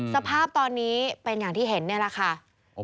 สภาพตอนนี้เป็นอย่างที่เห็นนี่แหละค่ะ